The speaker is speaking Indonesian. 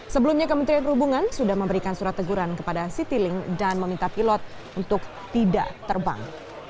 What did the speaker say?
sebelumnya kementerian perhubungan sudah memberikan surat teguran kepada citylink dan meminta pilot untuk tidak terbang